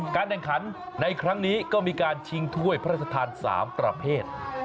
การแข่งขันในครั้งนี้ก็มีการชิงถ้วยพระราชทาน๓ประเภท